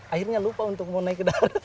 akhirnya lupa untuk mau naik ke dalam